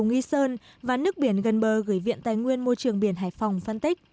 nghi sơn và nước biển gần bờ gửi viện tài nguyên môi trường biển hải phòng phân tích